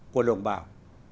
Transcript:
của đồng bào